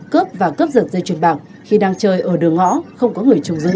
cướp và cướp giật dây chuyền bảng khi đang chơi ở đường ngõ không có người chung giữ